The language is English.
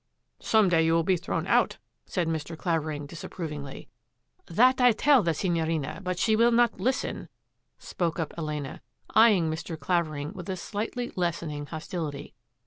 " Some day you will be thrown out," said Mr. Clavering disapprovingly. " That I tell the Signorina, but she will not lis ten," spoke up Elena, eyeing Mr. Clavering with a slightly lessening hostility.